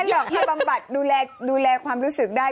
ไม่หรอกถ้าบำบัดดูแลความรู้สึกได้